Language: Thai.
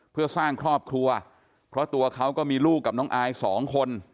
เพื่อสร้างครอบครัวเพราะตัวเขาก็มีลูกกับน้องอายสองคน